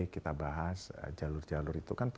kita bahas jalur jalur itu kan